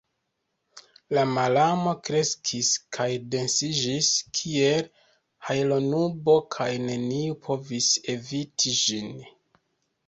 La malamo kreskis kaj densiĝis kiel hajlonubo kaj neniu povis eviti ĝin.